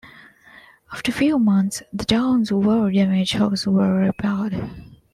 After a few months, the town's war-damaged houses were repaired.